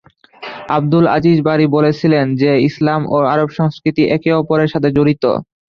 Abdul Aziz Bari বলেছিলেন যে ইসলাম ও আরব সংস্কৃতি একে অপরের সাথে জড়িত।